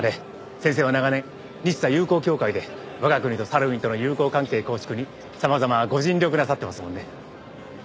先生は長年日サ友好協会で我が国とサルウィンとの友好関係構築に様々ご尽力なさってますもんね。